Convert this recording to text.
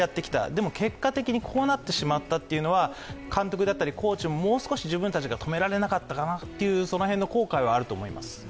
でも結果的にこうなってしまったというのは、監督だったりコーチがもう少し、自分たちが止められなかったのかなという、その辺の後悔はあると思います。